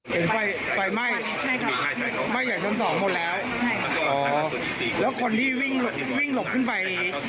เห็นไฟไหม้ไหม้ใหญ่ต้มต่อหมดแล้วแล้วคนที่วิ่งหลบขึ้นไป